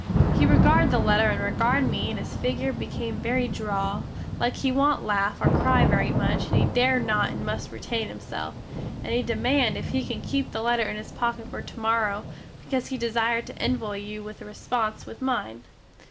He regard the letter and regard me and his figure become very droll, like he want laugh or cry very much and he dare not and must retain himself, and he demand if he can keep the letter in his pocket for tomorrow, because he desire to envoy you a response with mine.